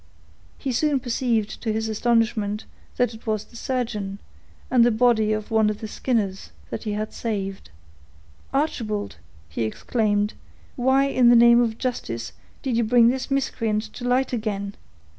He soon perceived, to his astonishment, that it was the surgeon, and the body of one of the Skinners, that he had saved. "Archibald!" he exclaimed, "why, in the name of justice, did you bring this miscreant to light again?